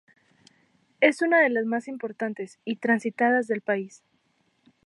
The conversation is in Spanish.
Es una de las más importantes y transitadas del país.